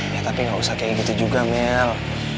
ya tapi nggak usah kayak gitu juga mel